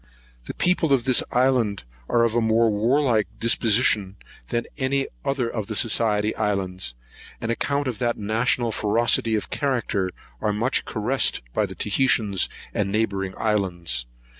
The people of this island are of a more warlike disposition than any other of the Society Islands; and on account of that national ferocity of character, are much caressed by the Otaheitans and neighbouring islands.